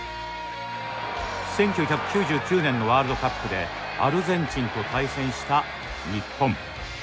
１９９９年のワールドカップでアルゼンチンと対戦した日本。